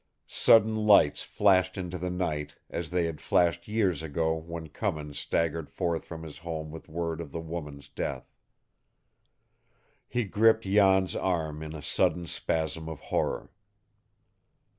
Sudden lights flashed into the night, as they had flashed years ago when Cummins staggered forth from his home with word of the woman's death. He gripped Jan's arm in a sudden spasm of horror.